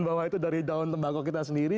bahwa itu dari daun tembakau kita sendiri